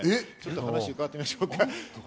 お話伺ってみましょうか。